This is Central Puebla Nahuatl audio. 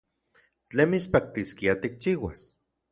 ¿Tlen mitspaktiskia tikchiuas?